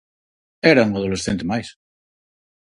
Era un adolescente máis.